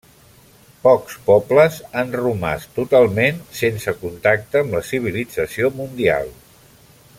Pocs pobles han romàs totalment sense contacte amb la civilització mundial.